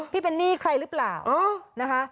พี่เป็นหนี้ใครหรือเปล่านะคะ